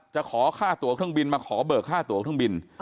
จะขอค่าตัวเครื่องบินมาขอเบิกค่าตัวเครื่องบิน